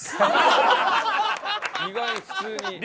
意外に普通に。